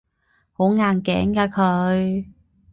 好硬頸㗎佢